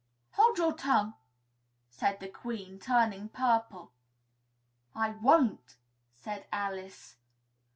"Hold your tongue!" said the Queen, turning purple. "I won't!" said Alice.